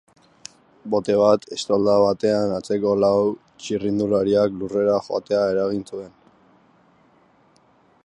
Bote bat estolda batean atzeko lau txirrindulariak lurrera joatea eragin zuen.